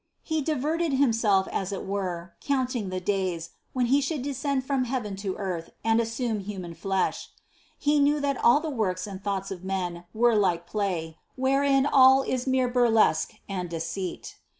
He diverted Himself as it were, counting the days, when He should descend from heaven to earth and assume human flesh. He knew that all the works and thoughts of men were like a play, wherein all is mere burlesque and deceit.